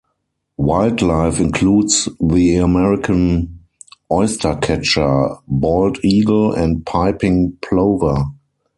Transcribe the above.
Wildlife includes the American oystercatcher, bald eagle and piping plover.